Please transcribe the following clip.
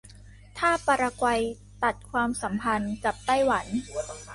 ถ้าปารากวัยตัดความสัมพันธ์กับไต้หวัน